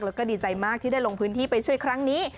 แล้วก็ดีใจมากที่ได้ลงพื้นที่ไปช่วยครั้งนี้